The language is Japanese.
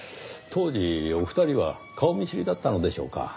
当時お二人は顔見知りだったのでしょうか？